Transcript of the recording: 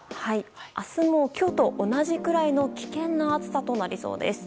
明日も、今日と同じくらいの危険な暑さとなりそうです。